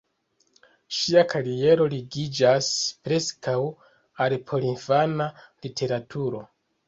Ŝia kariero ligiĝas preskaŭ al porinfana literaturo.